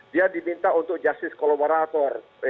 dia diminta untuk justice kolaborator